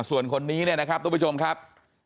ส่วนคนนี้เนี่ยนะครับทุกผู้ชมครับ